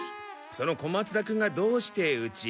その小松田君がどうしてうちへ？